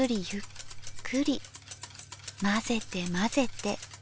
混ぜて混ぜて。